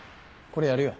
これやるよ。